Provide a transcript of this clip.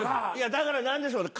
だから何でしょうね